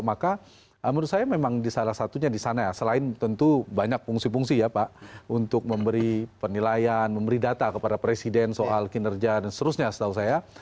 maka menurut saya memang di salah satunya di sana ya selain tentu banyak fungsi fungsi ya pak untuk memberi penilaian memberi data kepada presiden soal kinerja dan seterusnya setahu saya